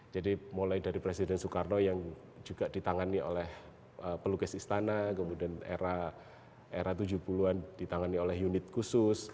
jadi mulai dari presiden soekarno yang juga ditangani oleh pelukis istana kemudian era tujuh puluh an ditangani oleh unit khusus